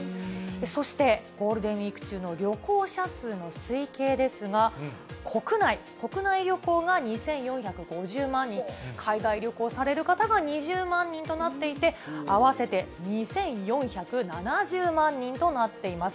そして、ゴールデンウィーク中の旅行者数の推計ですが、国内、国内旅行が２４５０万人、海外旅行される方が２０万人となっていて、合わせて２４７０万人となっています。